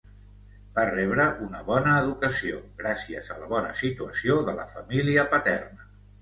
Va rebre una bona educació gràcies a la bona situació de la família paterna.